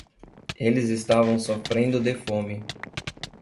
Eles estavam sofrendo de fome.